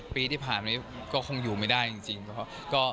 ๗ปีที่ผ่านนี้ก็คงอยู่ไม่ได้จริง